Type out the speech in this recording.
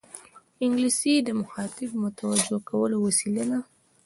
انګلیسي د مخاطب متوجه کولو وسیله ده